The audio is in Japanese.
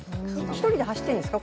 １人で走ってるんですか